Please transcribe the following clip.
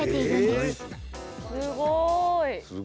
すごいな。